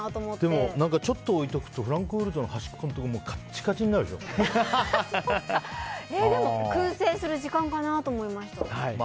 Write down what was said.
でも、ちょっと置いておくとフランクフルトの端っことか燻製する時間かなと思いました。